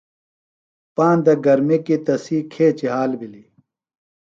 پاندہ گرمی کیۡ تسی کھیچیۡ حال بِھلیۡ۔